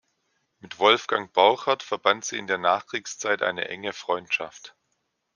Mit Wolfgang Borchert verband sie in der Nachkriegszeit eine enge Freundschaft.